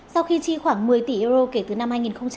sau khi chi khoảng một mươi tỷ euro kể từ năm hai nghìn một mươi